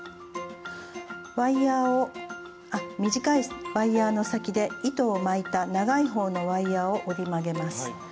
ワイヤーを短いワイヤーの先で糸を巻いた長いほうのワイヤーを折り曲げます。